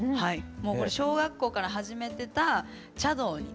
もうこれ小学校から始めてた茶道に。